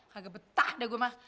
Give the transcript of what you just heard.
kagak betah deh gua mah